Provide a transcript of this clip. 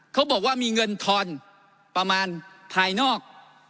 เขาบอกว่ามีเงินทอนประมาณภายนอก